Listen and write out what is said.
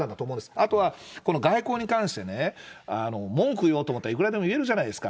あとはこの外交に関してね、文句を言おうと思ったら、いくらでも言えるじゃないですか。